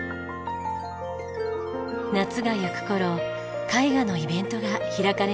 夏がゆく頃絵画のイベントが開かれました。